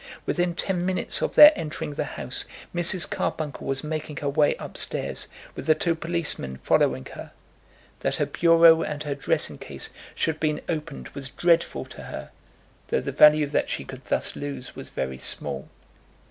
Within ten minutes of their entering the house, Mrs. Carbuncle was making her way up stairs, with the two policemen following her. That her bureau and her dressing case should have been opened was dreadful to her, though the value that she could thus lose was very small.